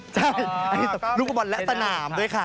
ใช่ลูกฟุตบอลและสนามด้วยค่ะ